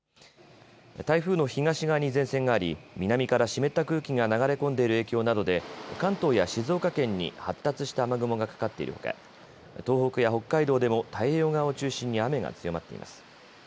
台風の東側に前線があり南から湿った空気が流れ込んでいる影響などで関東や静岡県に発達した雨雲がかかっているほか東北や北海道でも太平洋側を中心に雨が強まっています。